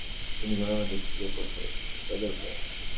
তিনি ঘুমের মধ্যেই ফুঁপিয়ে কোঁদে উঠলেন।